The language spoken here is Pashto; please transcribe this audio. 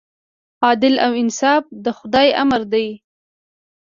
عدل او انصاف د خدای امر دی.